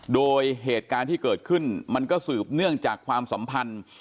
โดยเหตุการณ์ที่เกิดขึ้นมันก็สืบเนื่องจากความสัมพันธ์